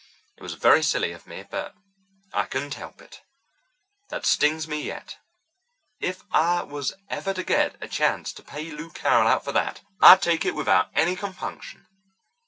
It was very silly of me, but I couldn't help it. That stings me yet. If I was ever to get a chance to pay Lou Carroll out for that, I'd take it without any compunction."